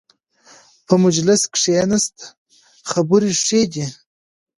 په مجلس کښېنه، خبرې ښې دي.